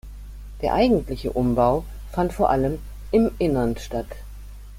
Der eigentliche Umbau fand vor allem im Innern statt.